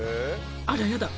あらやだ。